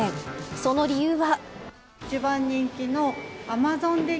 その理由は。